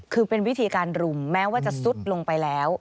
คือเป็นวิธีการรุมแม้ว่าจะซุดลงไปแล้ว